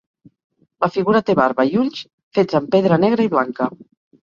La figura té barba i ulls fets amb pedra negra i blanca.